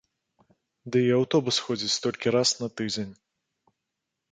Ды і аўтобус ходзіць толькі раз на тыдзень.